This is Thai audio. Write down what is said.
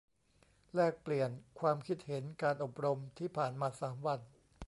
แลกเปลี่ยน ความคิดเห็นการอบรมที่ผ่านมาสามวัน